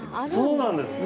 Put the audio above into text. そうなんですね